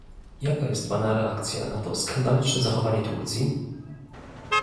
jaka jest pana reakcja na to skandaliczne zachowanie Turcji?